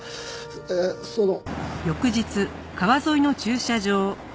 ええその。